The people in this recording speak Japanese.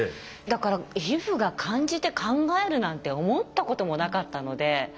だから皮膚が感じて考えるなんて思ったこともなかったので。